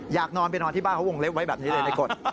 อยากนอนไปนอนที่บ้านเขาวงเล็บไว้แบบนี้เลยในกฎ